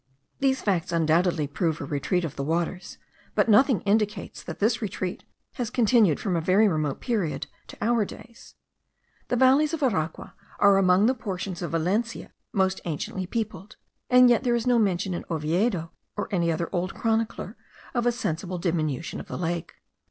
These facts undoubtedly prove a retreat of the waters; but nothing indicates that this retreat has continued from a very remote period to our days. The valleys of Aragua are among the portions of Venezuela most anciently peopled; and yet there is no mention in Oviedo, or any other old chronicler, of a sensible diminution of the lake.